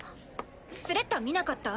スレッタ見なかった？